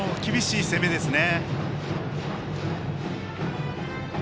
でも、厳しい攻めですね。